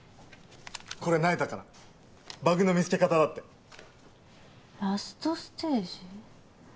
これ那由他からバグの見つけ方だってラストステージ？